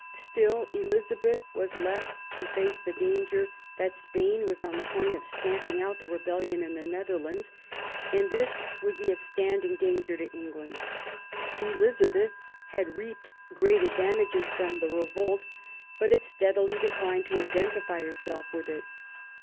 Still Elizabeth was left to face the danger that Spain was on the point of stamping out the rebellion in the Netherlands; and this would be a standing danger to England. Elizabeth had reaped great advantages from the revolt, but had steadily declined to identify herself with it.